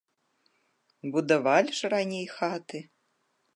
Будавалі ж раней хаты!